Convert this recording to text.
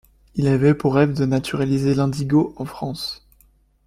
Il avait pour rêve de naturaliser l’indigo en France.